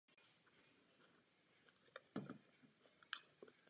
Judu se vrcholově věnuje i její mladší sestra Luise.